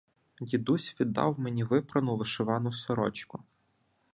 Дідусь віддав мені випрану вишивану сорочку.